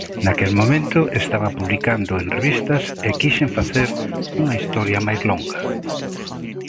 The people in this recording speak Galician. Naquel momento estaba publicando en revistas e quixen facer unha historia máis longa.